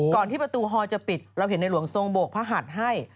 ที่ประตูฮอลจะปิดเราเห็นในหลวงทรงโบกพระหัดให้